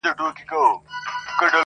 څخه سمبول ګرځي-